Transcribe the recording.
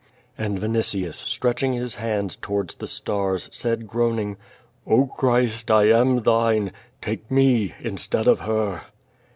'' And Vinitius, stretching his hands towards the stars, said, groaning: "Oh, Christ, I am thine. Take me instead of her!